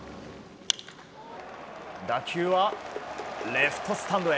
打球はレフトスタンドへ。